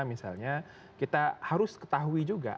misalnya kita harus ketahui juga